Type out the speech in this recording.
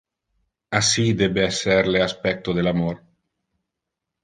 Assi debe esser le aspecto del amor.